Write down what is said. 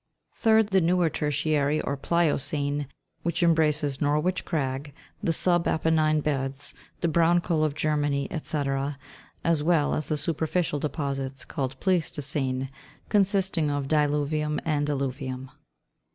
3d. The newer tertiary, or Pliocene, which embraces Norwich crag, the sub Apennine beds, the Brown coal of Germany, &c., as well as the super ficial deposits, called Pleistocene, consisting of diluvium and alluvium.